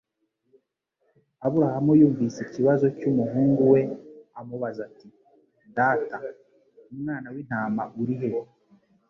Aburahamu yumvise ikibazo cy'umuhungu we, amubaza ati: '' Data … umwana w'intama urihe